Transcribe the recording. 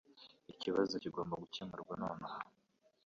Ikibazo kigomba gukemurwa nonaha.